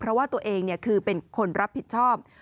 เพราะว่าตัวเองคือเป็นคนรับผิดชอบ